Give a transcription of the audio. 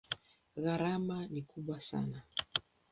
Gharama ni kubwa sana.